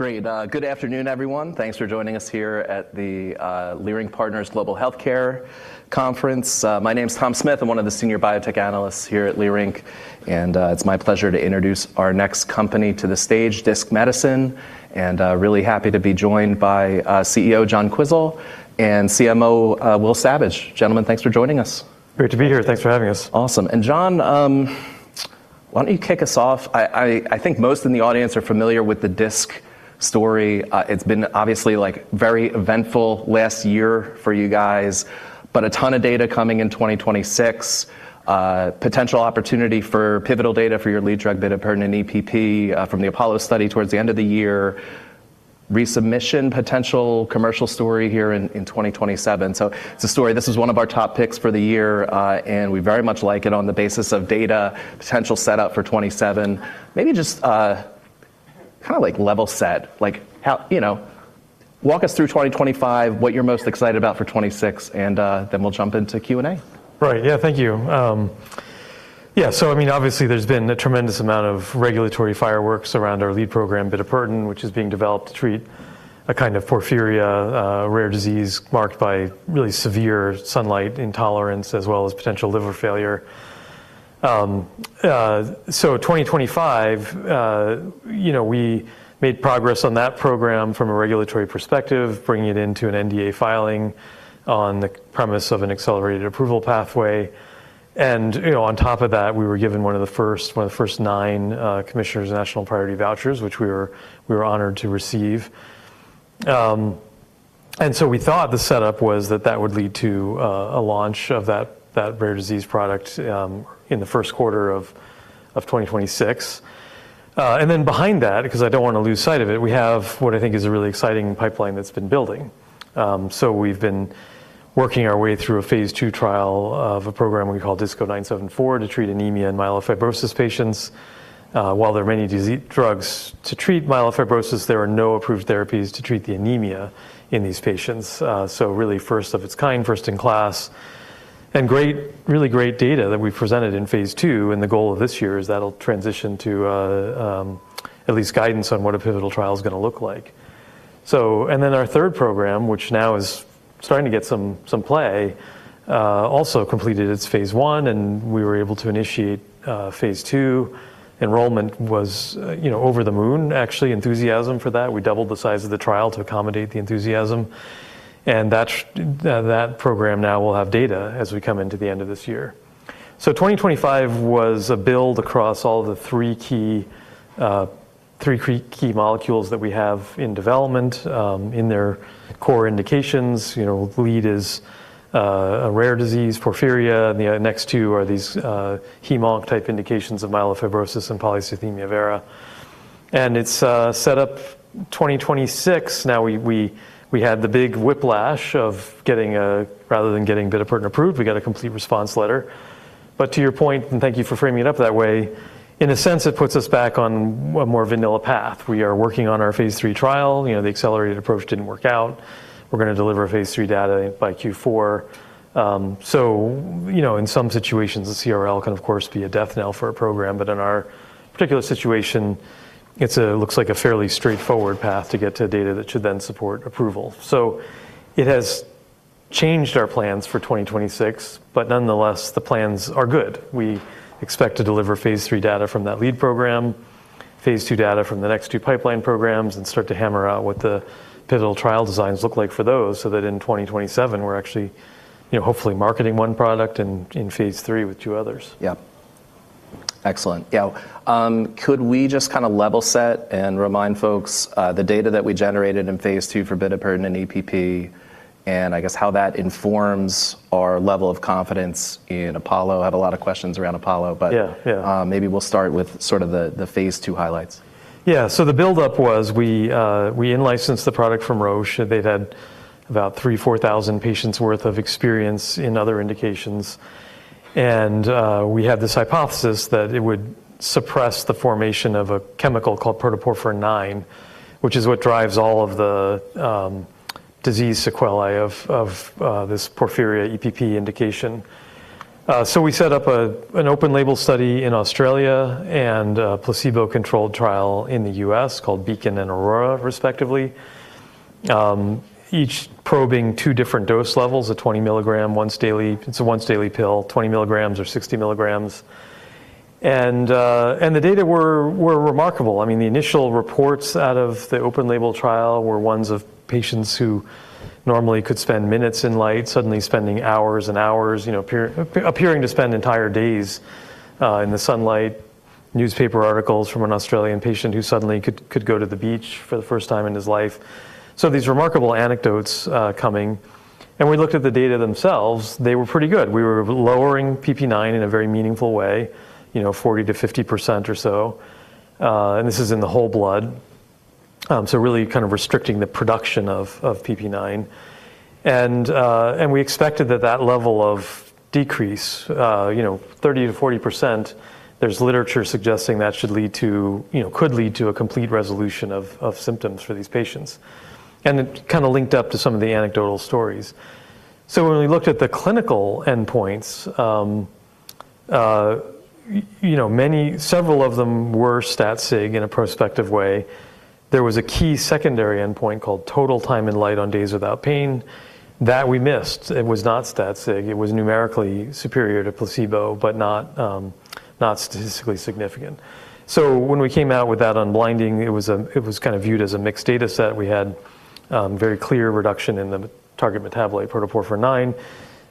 Great. good afternoon, everyone. Thanks for joining us here at the Leerink Partners Global Healthcare Conference. My name's Thomas Smith. I'm one of the senior biotech analysts here at Leerink, and it's my pleasure to introduce our next company to the stage, Disc Medicine, and really happy to be joined by CEO John Quisel and CMO William Savage. Gentlemen, thanks for joining us. Great to be here. Thank you. Thanks for having us. Awesome. John, why don't you kick us off? I think most in the audience are familiar with the Disc story. It's been obviously, like, very eventful last year for you guys, but a ton of data coming in 2026. Potential opportunity for pivotal data for your lead drug, bitopertin and EPP, from the APOLLO study towards the end of the year. Resubmission potential commercial story here in 2027. It's a story. This is one of our top picks for the year, and we very much like it on the basis of data potential setup for 27. Maybe just kinda like level set, like how, you know. Walk us through 2025, what you're most excited about for 26, and then we'll jump into Q&A. Right. Yeah. Thank you. Yeah, I mean, obviously there's been a tremendous amount of regulatory fireworks around our lead program, bitopertin, which is being developed to treat a kind of porphyria, rare disease marked by really severe sunlight intolerance as well as potential liver failure. 2025, you know, we made progress on that program from a regulatory perspective, bringing it into an NDA filing on the premise of an accelerated approval pathway. You know, on top of that, we were given one of the first nine, Commissioner's National Priority Voucher, which we were honored to receive. We thought the setup was that that would lead to a launch of that rare disease product in the first quarter of 2026. Behind that, because I don't wanna lose sight of it, we have what I think is a really exciting pipeline that's been building. We've been working our way through a phase II trial of a program we call DISC-0974 to treat anemia in myelofibrosis patients. While there are many drugs to treat myelofibrosis, there are no approved therapies to treat the anemia in these patients. Really first of its kind, first in class, and great, really great data that we presented in phase II, and the goal of this year is that'll transition to at least guidance on what a pivotal trial is gonna look like. Our third program, which now is starting to get some play, also completed its phase I, and we were able to initiate phase II. Enrollment was, you know, over the moon, actually, enthusiasm for that. We doubled the size of the trial to accommodate the enthusiasm, and that program now will have data as we come into the end of this year. 2025 was a build across all the three key molecules that we have in development in their core indications. You know, lead is a rare disease, porphyria, and the next two are these hemo type indications of myelofibrosis and polycythemia vera. It's set up 2026. We had the big whiplash of getting a, rather than getting bitopertin approved, we got a Complete Response Letter. To your point, and thank you for framing it up that way, in a sense, it puts us back on a more vanilla path. We are working on our phase III trial. You know, the accelerated approval didn't work out. We're gonna deliver phase III data by Q4. You know, in some situations, a CRL can of course be a death knell for a program, but in our particular situation, it's a looks like a fairly straightforward path to get to data that should then support approval. It has changed our plans for 2026, but nonetheless, the plans are good. We expect to deliver phase III data from that lead program, phase II data from the next two pipeline programs, and start to hammer out what the pivotal trial designs look like for those, so that in 2027, we're actually, you know, hopefully marketing one product and in phase III with two others. Excellent. Could we just kinda level set and remind folks, the data that we generated in phase II for bitopertin and EPP, and I guess how that informs our level of confidence in APOLLO? I have a lot of questions around APOLLO. Yeah. Yeah. Maybe we'll start with sort of the phase II highlights. The buildup was we in-licensed the product from Roche. They'd had about 3,000-4,000 patients worth of experience in other indications, we had this hypothesis that it would suppress the formation of a chemical called protoporphyrin IX, which is what drives all of the disease sequelae of this porphyria EPP indication. We set up an open label study in Australia and a placebo-controlled trial in the U.S. called Beacon and Aurora respectively. Each probing two different dose levels, a 20-milligram once daily. It's a once daily pill, 20 milligrams or 60 milligrams. The data were remarkable. I mean, the initial reports out of the open label trial were ones of patients who normally could spend minutes in light, suddenly spending hours and hours, you know, appearing to spend entire days in the sunlight. Newspaper articles from an Australian patient who suddenly could go to the beach for the first time in his life. These remarkable anecdotes coming. We looked at the data themselves, they were pretty good. We were lowering PP IX in a very meaningful way, you know, 40%-50% or so. This is in the whole blood. So really kind of restricting the production of PP IX. We expected that that level of decrease, you know, 30%-40%, there's literature suggesting that should lead to, you know, could lead to a complete resolution of symptoms for these patients. It kinda linked up to some of the anecdotal stories. When we looked at the clinical endpoints, you know, several of them were stat sig in a prospective way. There was a key secondary endpoint called total time in light on days without pain that we missed. It was not stat sig. It was numerically superior to placebo, but not statistically significant. When we came out with that unblinding, it was kind of viewed as a mixed dataset. We had very clear reduction in the target metabolite protoporphyrin IX,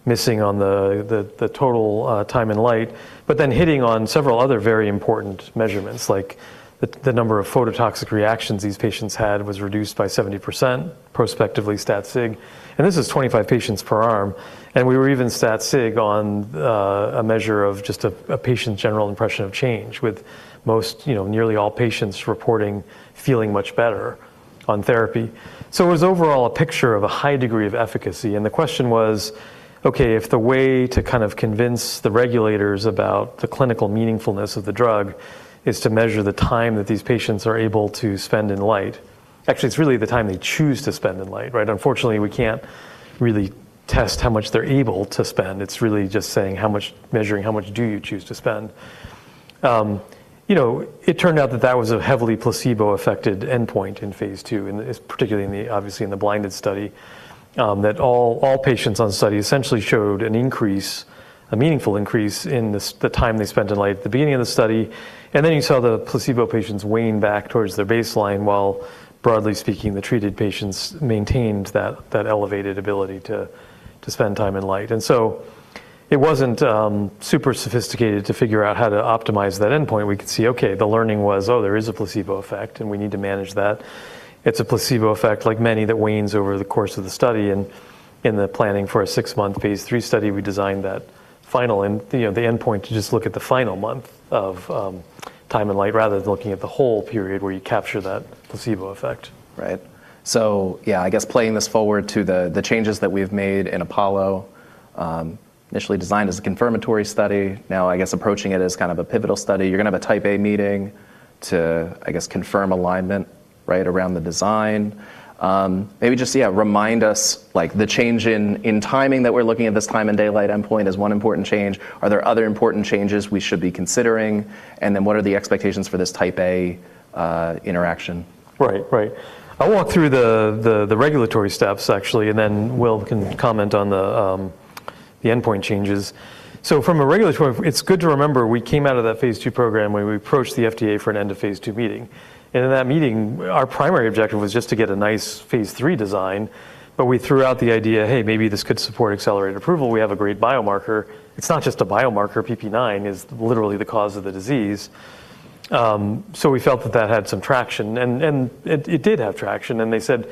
missing on the total time in light, but then hitting on several other very important measurements, like the number of phototoxic reactions these patients had was reduced by 70%, prospectively stat sig. This is 25 patients per arm. We were even stat sig on a measure of just a patient's general impression of change, with most, you know, nearly all patients reporting feeling much better on therapy. It was overall a picture of a high degree of efficacy, and the question was, okay, if the way to kind of convince the regulators about the clinical meaningfulness of the drug is to measure the time that these patients are able to spend in light. Actually, it's really the time they choose to spend in light, right? Unfortunately, we can't really test how much they're able to spend. It's really just saying measuring how much do you choose to spend. you know, it turned out that that was a heavily placebo-affected endpoint in phase II, and particularly in the, obviously in the blinded study, that all patients on the study essentially showed an increase, a meaningful increase in the time they spent in light at the beginning of the study. Then you saw the placebo patients wane back towards their baseline, while broadly speaking, the treated patients maintained that elevated ability to spend time in light. It wasn't super sophisticated to figure out how to optimize that endpoint. We could see, okay, the learning was, oh, there is a placebo effect, and we need to manage that. It's a placebo effect like many that wanes over the course of the study. In the planning for a 6-month phase III study, we designed that final you know, the endpoint to just look at the final month of time in light, rather than looking at the whole period where you capture that placebo effect. Yeah, I guess playing this forward to the changes that we've made in Apollo, initially designed as a confirmatory study. Now, I guess approaching it as kind of a pivotal study. You're gonna have a Type A meeting to, I guess, confirm alignment right around the design. Maybe just, yeah, remind us, like the change in timing that we're looking at, this time in daylight endpoint is one important change. Are there other important changes we should be considering? What are the expectations for this Type A interaction? Right. I'll walk through the regulatory steps, actually, and then Will can comment on the endpoint changes. From a regulatory-- it's good to remember we came out of that phase II program where we approached the FDA for an End-of-Phase II meeting. In that meeting, our primary objective was just to get a nice phase III design. We threw out the idea, "Hey, maybe this could support accelerated approval. We have a great biomarker." It's not just a biomarker. PPIX is literally the cause of the disease. We felt that that had some traction and it did have traction. They said,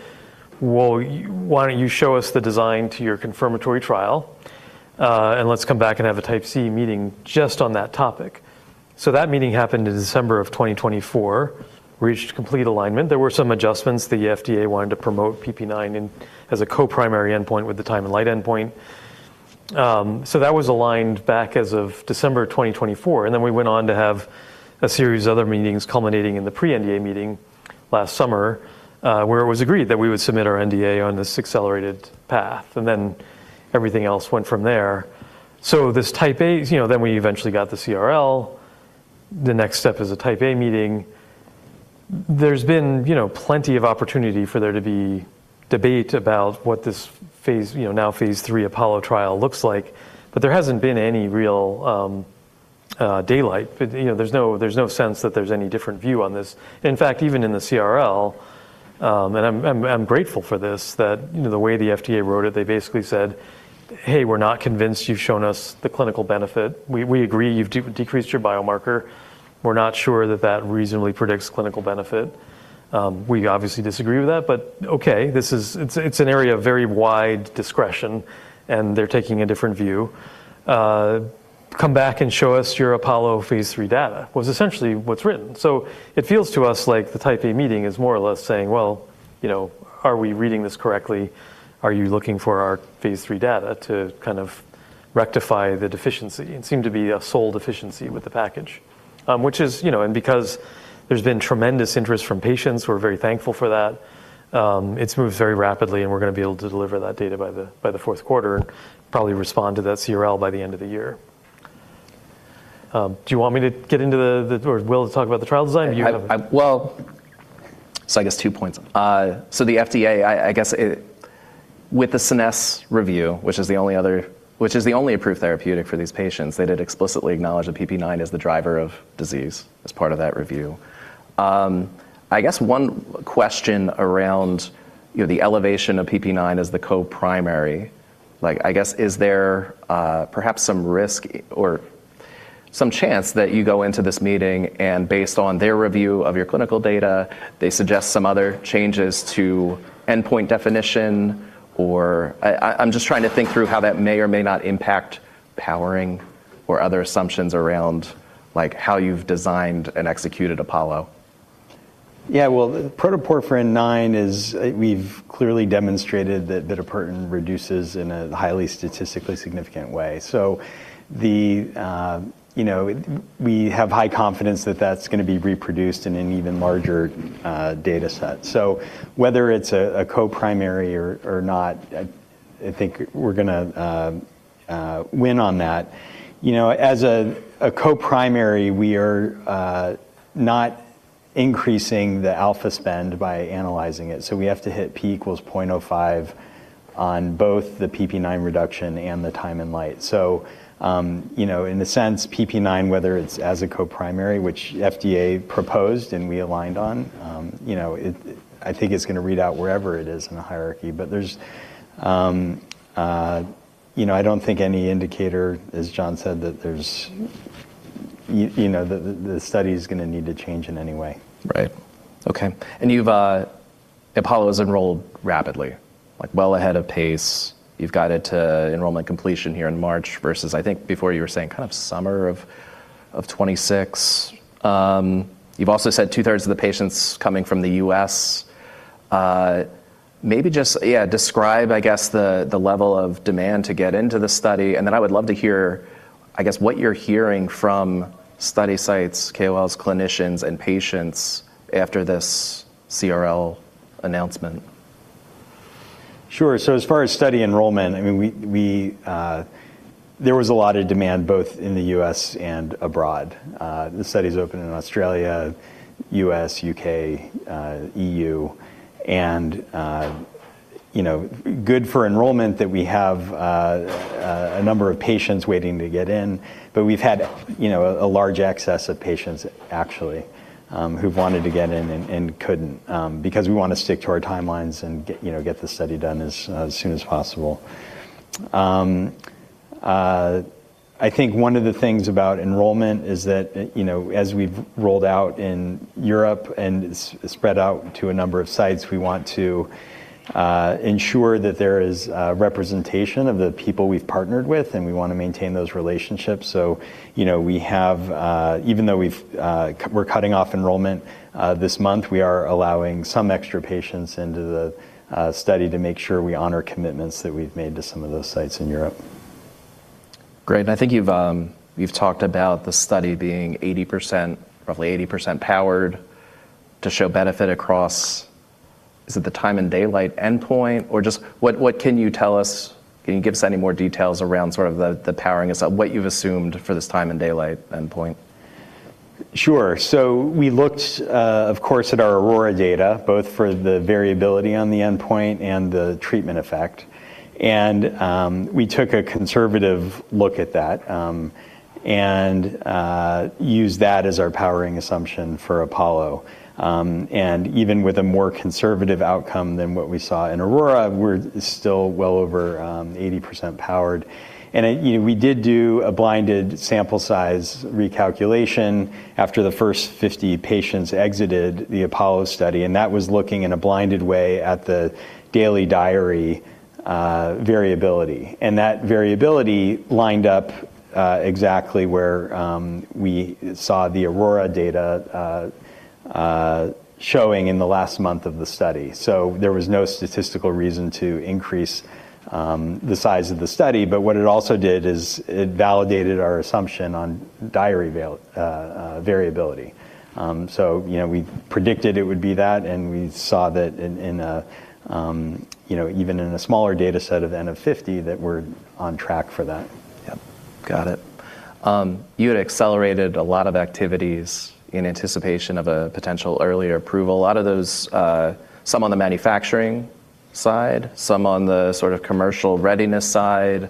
"Well, why don't you show us the design to your confirmatory trial, and let's come back and have a Type C meeting just on that topic." That meeting happened in December of 2024, reached complete alignment. There were some adjustments. The FDA wanted to promote PPIX in as a co-primary endpoint with the time in light endpoint. That was aligned back as of December 2024, we went on to have a series of other meetings culminating in the pre-NDA meeting last summer, where it was agreed that we would submit our NDA on this accelerated path, everything else went from there. We eventually got the CRL. The next step is a Type A meeting. There's been, you know, plenty of opportunity for there to be debate about what this phase, you know, now phase III APOLLO trial looks like. There hasn't been any real daylight. You know, there's no, there's no sense that there's any different view on this. In fact, even in the CRL, and I'm grateful for this, that, you know, the way the FDA wrote it, they basically said, "Hey, we're not convinced you've shown us the clinical benefit. We, we agree you've decreased your biomarker. We're not sure that that reasonably predicts clinical benefit." We obviously disagree with that, but okay, it's an area of very wide discretion, and they're taking a different view. "Come back and show us your APOLLO phase III data," was essentially what's written. It feels to us like the Type A meeting is more or less saying, "Well, you know, are we reading this correctly? Are you looking for our phase III data to kind of rectify the deficiency?" It seemed to be a sole deficiency with the package. Which is, you know. Because there's been tremendous interest from patients, we're very thankful for that. It's moved very rapidly, and we're gonna be able to deliver that data by the, by the fourth quarter and probably respond to that CRL by the end of the year. Do you want me to get into the, or Will to talk about the trial design? Do you have? I guess two points. The FDA, I guess, with the Scenesse review, which is the only approved therapeutic for these patients, they did explicitly acknowledge that PPIX is the driver of disease as part of that review. I guess one question around, you know, the elevation of PPIX as the co-primary, like, I guess, is there, perhaps some risk or some chance that you go into this meeting and based on their review of your clinical data, they suggest some other changes to endpoint definition? I'm just trying to think through how that may or may not impact powering or other assumptions around, like, how you've designed and executed Apollo. Well, protoporphyrin IX is we've clearly demonstrated that bitopertin reduces in a highly statistically significant way. The, you know, we have high confidence that that's gonna be reproduced in an even larger dataset. Whether it's a co-primary or not, I think we're gonna win on that. You know, as a co-primary, we are not increasing the alpha spending by analyzing it, so we have to hit P equals 0.05 on both the PPIX reduction and the time in light. You know, in a sense, PPIX, whether it's as a co-primary, which FDA proposed and we aligned on, you know, it, I think it's gonna read out wherever it is in the hierarchy. There's, you know, I don't think any indicator, as John said, that there's, you know, the study's gonna need to change in any way. Right. Okay. You've APOLLO is enrolled rapidly, like well ahead of pace. You've got it to enrollment completion here in March versus, I think before you were saying kind of summer of 2026. You've also said two-thirds of the patients coming from the U.S. maybe just, yeah, describe, I guess, the level of demand to get into the study, and then I would love to hear, I guess, what you're hearing from study sites, KOLs, clinicians, and patients after this CRL announcement? Sure. As far as study enrollment, I mean, we, there was a lot of demand both in the U.S. and abroad. The study's open in Australia, U.S., U.K., EU, and, you know, good for enrollment that we have a number of patients waiting to get in. We've had, you know, a large excess of patients actually, who've wanted to get in and couldn't, because we wanna stick to our timelines and get, you know, get the study done as soon as possible. I think one of the things about enrollment is that, you know, as we've rolled out in Europe and spread out to a number of sites, we want to ensure that there is representation of the people we've partnered with, and we wanna maintain those relationships. You know, we have, even though we've, we're cutting off enrollment, this month, we are allowing some extra patients into the study to make sure we honor commitments that we've made to some of those sites in Europe. Great. I think you've talked about the study being 80%, roughly 80% powered to show benefit across. Is it the time and daylight endpoint? Just what can you tell us? Can you give us any more details around sort of the powering what you've assumed for this time and daylight endpoint? Sure. We looked, of course, at our AURORA data, both for the variability on the endpoint and the treatment effect. We took a conservative look at that, and used that as our powering assumption for APOLLO. Even with a more conservative outcome than what we saw in AURORA, we're still well over 80% powered. You know, we did do a blinded sample size recalculation after the first 50 patients exited the APOLLO study, and that was looking in a blinded way at the daily diary variability. That variability lined up exactly where we saw the AURORA data showing in the last month of the study. There was no statistical reason to increase the size of the study. What it also did is it validated our assumption on diary variability. You know, we predicted it would be that, and we saw that in a, you know, even in a smaller data set of N of 50, that we're on track for that. Yep. Got it. You had accelerated a lot of activities in anticipation of a potential earlier approval. A lot of those, some on the manufacturing side, some on the sort of commercial readiness side.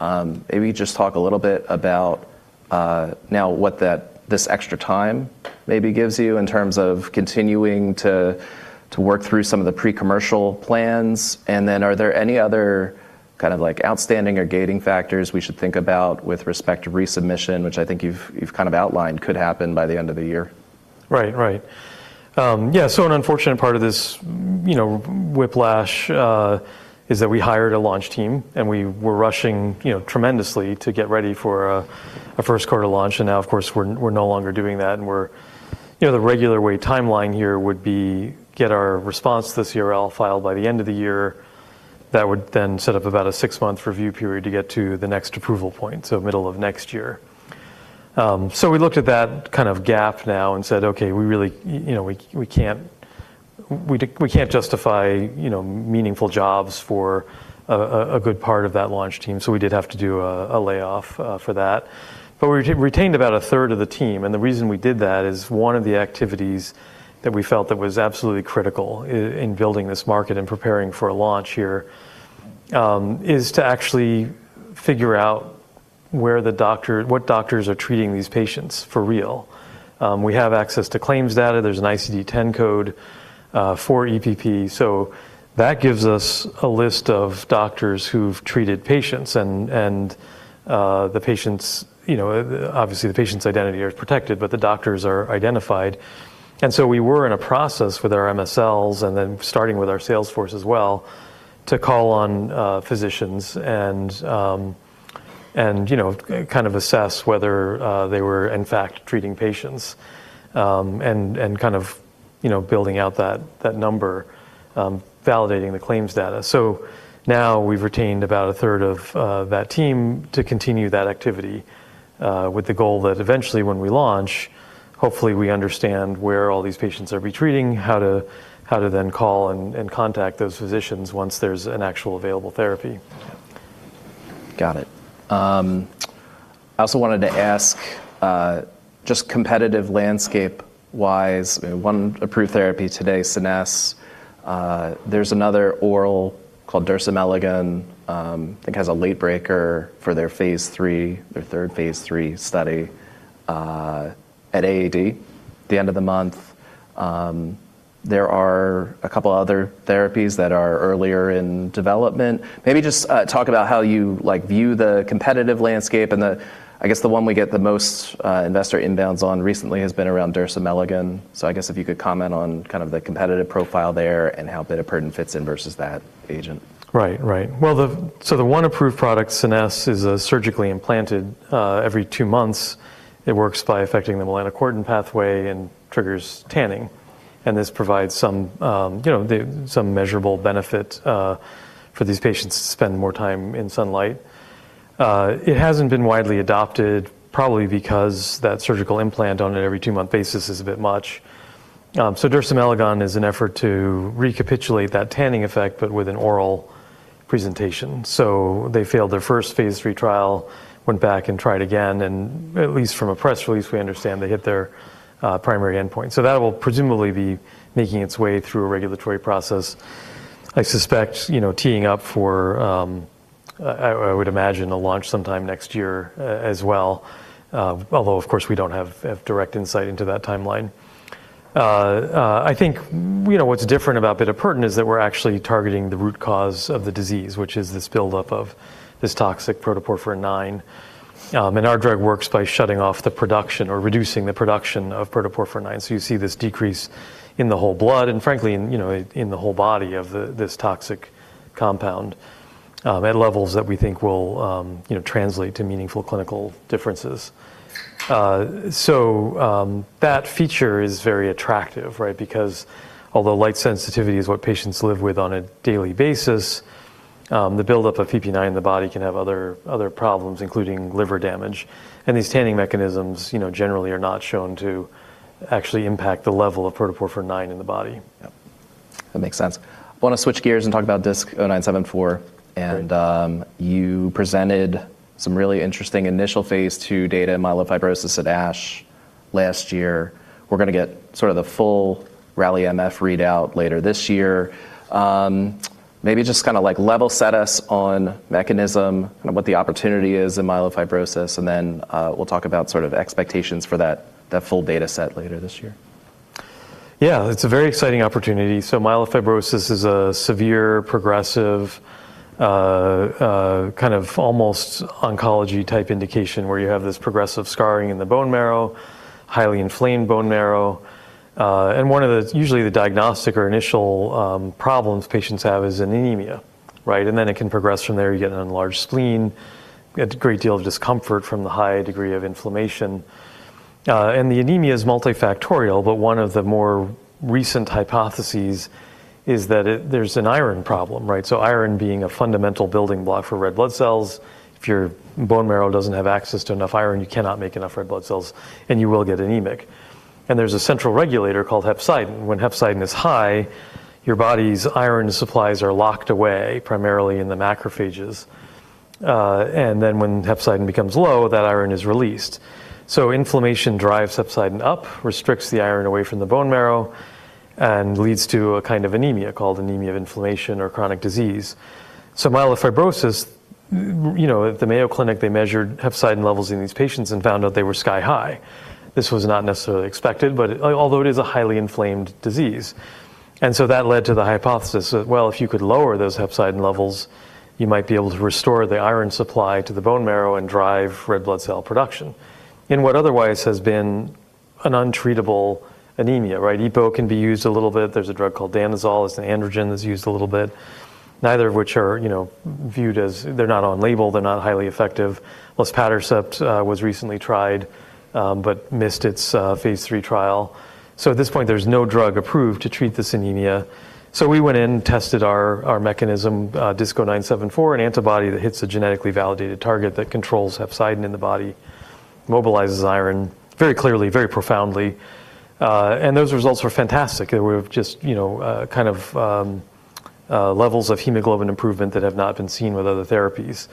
Maybe just talk a little bit about now what that, this extra time maybe gives you in terms of continuing to work through some of the pre-commercial plans. Are there any other kind of like outstanding or gating factors we should think about with respect to resubmission, which I think you've kind of outlined could happen by the end of the year? Right. Right. Yeah. An unfortunate part of this, you know, whiplash, is that we hired a launch team, and we were rushing, you know, tremendously to get ready for a first quarter launch. Now, of course, we're no longer doing that, and we're, you know, the regular wait timeline here would be get our response to the CRL filed by the end of the year. That would then set up about a six-month review period to get to the next approval point, so middle of next year. We looked at that kind of gap now and said, "Okay, we really, you know, we can't justify, you know, meaningful jobs for a good part of that launch team." We did have to do a layoff for that. We retained about a third of the team, and the reason we did that is one of the activities that we felt that was absolutely critical in building this market and preparing for a launch here, is to actually figure out what doctors are treating these patients for real. We have access to claims data. There's an ICD-10 code for EPP, so that gives us a list of doctors who've treated patients and, the patient's, you know, obviously, the patient's identity are protected, but the doctors are identified. We were in a process with our MSL and then starting with our sales force as well, to call on physicians and, you know, kind of assess whether they were in fact treating patients, and kind of, you know, building out that number, validating the claims data. Now we've retained about a third of that team to continue that activity with the goal that eventually when we launch Hopefully we understand where all these patients are retreating, how to then call and contact those physicians once there's an actual available therapy. Got it. I also wanted to ask, just competitive landscape-wise, one approved therapy today, Scenesse. There's another oral called dersimelagon, I think has a late breaker for their phase III, their third phase III study, at AAD the end of the month. There are a couple other therapies that are earlier in development. Maybe just talk about how you, like, view the competitive landscape. I guess the one we get the most, investor inbounds on recently has been around dersimelagon. I guess if you could comment on kind of the competitive profile there and how bitopertin fits in versus that agent. Right. Right. Well, the one approved product, Scenesse, is surgically implanted every two months. It works by affecting the melanocortin pathway and triggers tanning, and this provides some, you know, some measurable benefit for these patients to spend more time in sunlight. It hasn't been widely adopted, probably because that surgical implant on an every two-month basis is a bit much. Dersimelagon is an effort to recapitulate that tanning effect but with an oral presentation. They failed their first phase III trial, went back and tried again, and at least from a press release, we understand they hit their primary endpoint. That will presumably be making its way through a regulatory process. I suspect, you know, teeing up for, I would imagine a launch sometime next year as well, although of course, we don't have direct insight into that timeline. I think you know, what's different about bitopertin is that we're actually targeting the root cause of the disease, which is this buildup of this toxic protoporphyrin IX. Our drug works by shutting off the production or reducing the production of protoporphyrin IX. You see this decrease in the whole blood and frankly in, you know, in the whole body of this toxic compound at levels that we think will, you know, translate to meaningful clinical differences. That feature is very attractive, right? Although light sensitivity is what patients live with on a daily basis, the buildup of PP IX in the body can have other problems, including liver damage. These tanning mechanisms, you know, generally are not shown to actually impact the level of protoporphyrin IX in the body. Yep. That makes sense. I wanna switch gears and talk about DISC-0974. Great. You presented some really interesting initial phase II data in myelofibrosis at ASH last year. We're gonna get sort of the full RALLY-MF readout later this year. Maybe just kinda like level set us on mechanism and what the opportunity is in myelofibrosis, and then we'll talk about sort of expectations for that full data set later this year. It's a very exciting opportunity. myelofibrosis is a severe progressive, kind of almost oncology-type indication where you have this progressive scarring in the bone marrow, highly inflamed bone marrow. usually, the diagnostic or initial problems patients have is anemia, right? It can progress from there. You get an enlarged spleen, a great deal of discomfort from the high degree of inflammation. The anemia is multifactorial, but one of the more recent hypotheses is that there's an iron problem, right? Iron being a fundamental building block for red blood cells. If your bone marrow doesn't have access to enough iron, you cannot make enough red blood cells, and you will get anemic. There's a central regulator called hepcidin. When hepcidin is high, your body's iron supplies are locked away, primarily in the macrophages. Then when hepcidin becomes low, that iron is released. Inflammation drives hepcidin up, restricts the iron away from the bone marrow, and leads to a kind of anemia called anemia of inflammation or chronic disease. Myelofibrosis, you know, at the Mayo Clinic, they measured hepcidin levels in these patients and found out they were sky-high. This was not necessarily expected, but, although it is a highly inflamed disease. That led to the hypothesis that, well, if you could lower those hepcidin levels, you might be able to restore the iron supply to the bone marrow and drive red blood cell production in what otherwise has been an untreatable anemia, right? EPO can be used a little bit. There's a drug called Danazol. It's an androgen that's used a little bit. Neither of which are, you know, viewed as... They're not on label. They're not highly effective. Luspatercept was recently tried, but missed its phase III trial. At this point, there's no drug approved to treat this anemia. We went in, tested our mechanism, DISC-0974, an antibody that hits a genetically validated target that controls hepcidin in the body, mobilizes iron very clearly, very profoundly, and those results were fantastic. They were just, you know, kind of levels of hemoglobin improvement that have not been seen with other therapies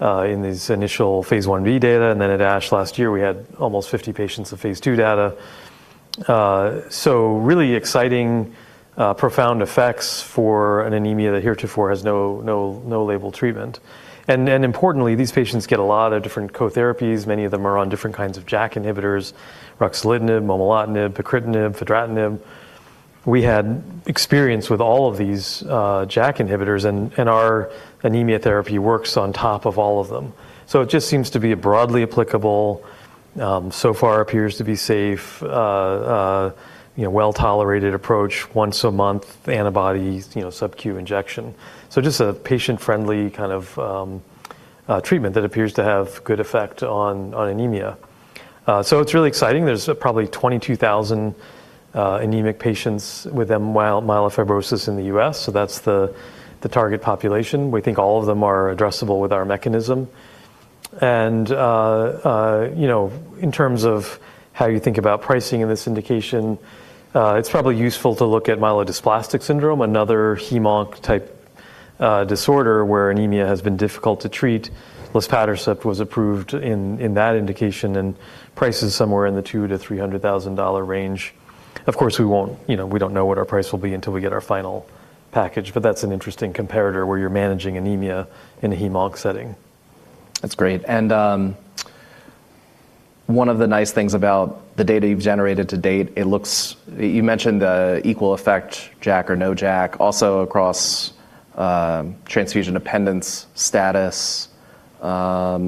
in these initial phase 1-B data. At ASH last year, we had almost 50 patients of phase II data. Really exciting, profound effects for an anemia that heretofore has no label treatment. Importantly, these patients get a lot of different co-therapies. Many of them are on different kinds of JAK inhibitors, ruxolitinib, momelotinib, pacritinib, fedratinib. We had experience with all of these JAK inhibitors and our anemia therapy works on top of all of them. It just seems to be a broadly applicable, so far appears to be safe, you know, well-tolerated approach once a month, the antibody, you know, subQ injection. Just a patient-friendly kind of treatment that appears to have good effect on anemia. It's really exciting. There's probably 22,000 anemic patients with myelofibrosis in the U.S., that's the target population. We think all of them are addressable with our mechanism. You know, in terms of how you think about pricing in this indication, it's probably useful to look at myelodysplastic syndrome, another hem-onc type disorder where anemia has been difficult to treat. Luspatercept was approved in that indication and prices somewhere in the $200,000-$300,000 range. Of course, we won't, you know, we don't know what our price will be until we get our final package, but that's an interesting comparator where you're managing anemia in a hem-onc setting. That's great. One of the nice things about the data you've generated to date, it looks you mentioned equal effect JAK or no JAK, also across transfusion dependence status. Yeah,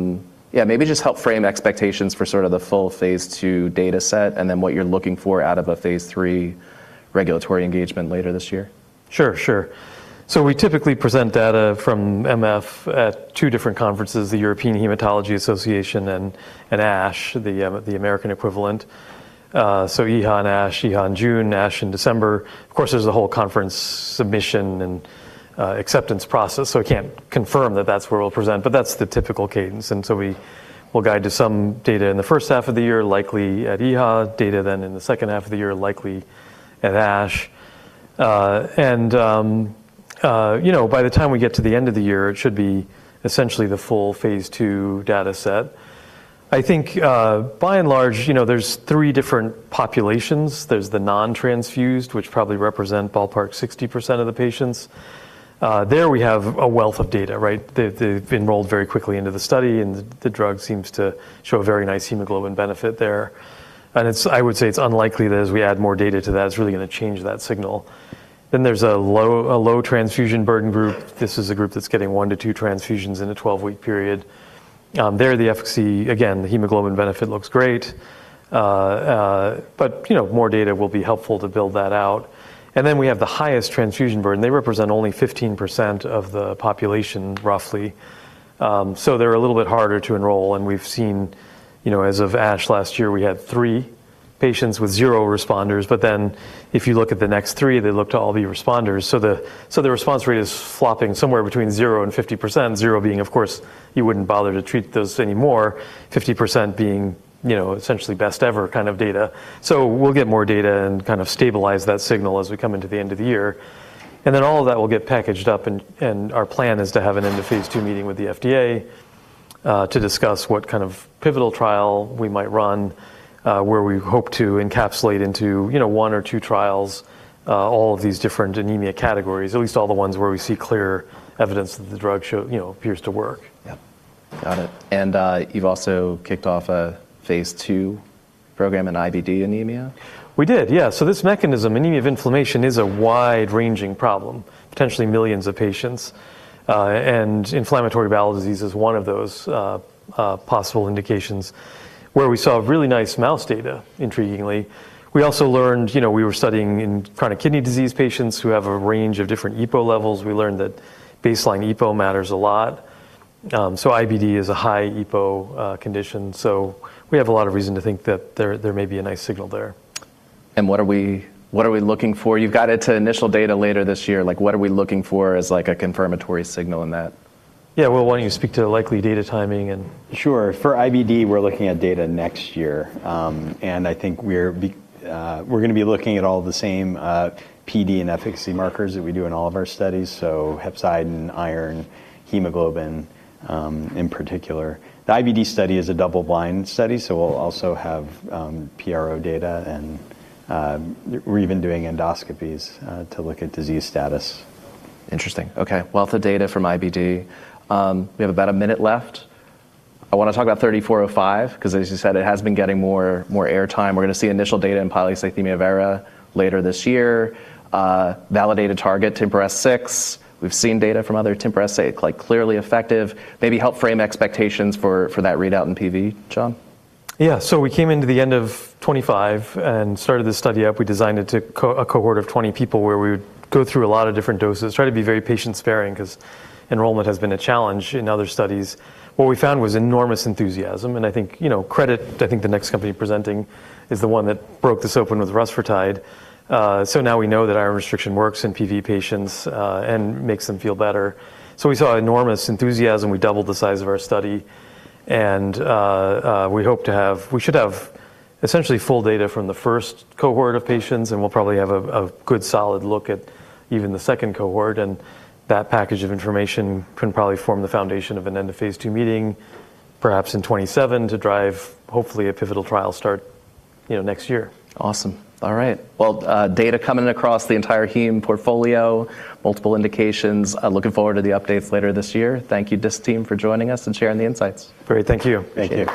maybe just help frame expectations for sort of the full phase II data set and then what you're looking for out of a phase III regulatory engagement later this year. Sure, sure. We typically present data from MF at two different conferences, the European Hematology Association and ASH, the American equivalent. EHA and ASH, EHA in June, ASH in December. Of course, there's a whole conference submission and acceptance process, so I can't confirm that that's where we'll present, but that's the typical cadence. We will guide to some data in the first half of the year, likely at EHA, data then in the second half of the year, likely at ASH. You know, by the time we get to the end of the year, it should be essentially the full phase II data set. I think, by and large, you know, there's three different populations. There's the non-transfused, which probably represent ballpark 60% of the patients. There we have a wealth of data, right? They've enrolled very quickly into the study and the drug seems to show a very nice hemoglobin benefit there. I would say it's unlikely that as we add more data to that, it's really gonna change that signal. There's a low transfusion burden group. This is a group that's getting 1-2 transfusions in a 12-week period. There the efficacy, again, the hemoglobin benefit looks great, you know, more data will be helpful to build that out. We have the highest transfusion burden. They represent only 15% of the population, roughly. They're a little bit harder to enroll, and we've seen, you know, as of ASH last year, we had three patients with zero responders. If you look at the next three, they look to all be responders. The response rate is flopping somewhere between 0% and 50%. 0% being, of course, you wouldn't bother to treat this anymore, 50% being, you know, essentially best ever kind of data. We'll get more data and kind of stabilize that signal as we come into the end of the year. All of that will get packaged up and our plan is to have an End-of-Phase II meeting with the FDA to discuss what kind of pivotal trial we might run, where we hope to encapsulate into, you know, one or two trials, all of these different anemia categories, at least all the ones where we see clear evidence that the drug show, you know, appears to work. Yeah. Got it. You've also kicked off a phase II program in IBD anemia? We did, yeah. This mechanism, anemia of inflammation, is a wide-ranging problem, potentially millions of patients. Inflammatory bowel disease is one of those possible indications where we saw really nice mouse data, intriguingly. We also learned, you know, we were studying in chronic kidney disease patients who have a range of different EPO levels. We learned that baseline EPO matters a lot. IBD is a high EPO condition, so we have a lot of reason to think that there may be a nice signal there. What are we looking for? You've got it to initial data later this year. Like, what are we looking for as like a confirmatory signal in that? Yeah. Why don't you speak to the likely data timing and. Sure. For IBD, we're looking at data next year. I think we're gonna be looking at all the same PD and efficacy markers that we do in all of our studies, so hepcidin, iron, hemoglobin, in particular. The IBD study is a double-blind study, so we'll also have PRO data and we're even doing endoscopies to look at disease status. Interesting. Okay. Wealth of data from IBD. We have about a minute left. I wanna talk about DISC-3405 'cause as you said it has been getting more air time. We're gonna see initial data in polycythemia vera later this year. Validated target, TMPRSS6. We've seen data from other TMPRSS, like clearly effective. Maybe help frame expectations for that readout in PV, John. We came into the end of 25 and started this study up. We designed it to a cohort of 20 people where we would go through a lot of different doses, try to be very patient sparing 'cause enrollment has been a challenge in other studies. What we found was enormous enthusiasm, and I think, you know, credit, I think the next company presenting is the one that broke this open with Rusfertide. Now we know that iron restriction works in PV patients and makes them feel better. We saw enormous enthusiasm. We doubled the size of our study, and we should have essentially full data from the 1st cohort of patients, and we'll probably have a good solid look at even the 2nd cohort. That package of information can probably form the foundation of an End-of-Phase II meeting perhaps in 2027 to drive, hopefully, a pivotal trial start, you know, next year. Awesome. All right. Well, data coming across the entire heme portfolio, multiple indications. I'm looking forward to the updates later this year. Thank you Disc team for joining us and sharing the insights. Great. Thank you. Thank you.